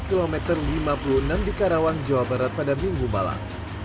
kilometer lima puluh enam di karawang jawa barat pada minggu malam